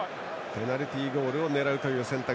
ペナルティーゴールを狙う選択。